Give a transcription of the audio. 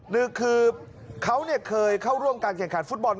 นึกคือเขาเนี่ยเคยเข้าร่วมการแข่งขาดฟุตบอล